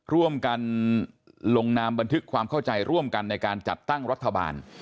ร่วมกันลงนามบันทึกความเข้าใจร่วมกันในการจัดตั้งรัฐบาล